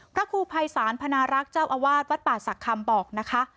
พระครูภัยศาลพนารักษ์เจ้าอาวาสวัดป่าศักดิ์คำบอกนะคะ